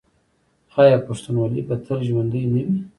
آیا پښتونولي به تل ژوندي نه وي؟